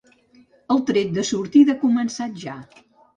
El tret de sortida ha començat ja.